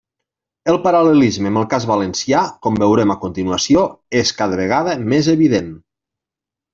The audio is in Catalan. El paral·lelisme amb el cas valencià, com veurem a continuació, és cada vegada més evident.